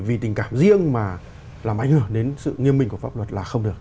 vì tình cảm riêng mà làm ảnh hưởng đến sự nghiêm minh của pháp luật là không được